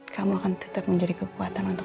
kamu akan tetap menjadi kekuatan untuk